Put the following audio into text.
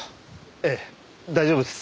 ええ大丈夫です。